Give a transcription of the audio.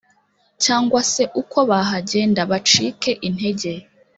cyangwa se uko bahagenda bacike intege.